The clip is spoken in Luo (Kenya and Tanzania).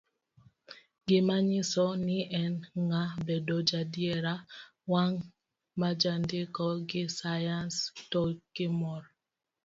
gi manyiso ni en ng'a, bedo jaadiera, wang' marjandiko gi sayans to gimor